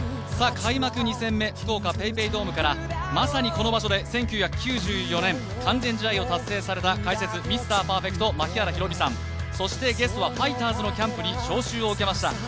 開幕２戦目、福岡ＰａｙＰａｙドームからまさにこの場所で１９９４年、完全試合を達成された解説、ミスターパーフェクト、槙原寛己さんそしてファイターズのキャンプに招集を受けました